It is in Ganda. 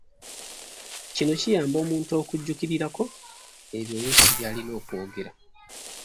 Kino kiyamba omuntu okujjukirirako ebyo oluusi by'alina okwogera.